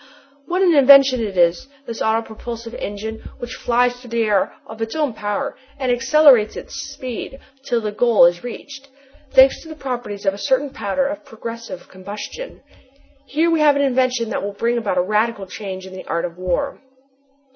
What an invention it is, this autopropulsive engine, which flies through the air of its own power and accelerates its speed till the goal is reached, thanks to the properties of a certain powder of progressive combustion! Here we have an invention that will bring about a radical change in the art of war."